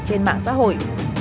trên mạng xã hội